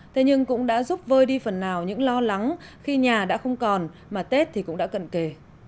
thế nhưng cũng đã giúp vơi đi phần nào những lo lắng khi nhà đã không còn mà tết thì cũng đã cận kề